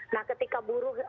nah ketika buru